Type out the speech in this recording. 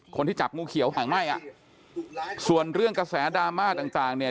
คนที่จับงูเขียวหางไหม้อ่ะส่วนเรื่องกระแสดราม่าต่างต่างเนี่ย